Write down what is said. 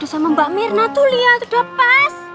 ya udah sama mbak mirna tuh liat udah pas